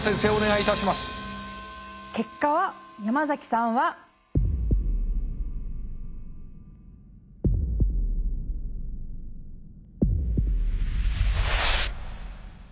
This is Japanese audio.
結果は山崎さんは。え！